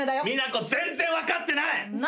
ミナコ全然分かってない。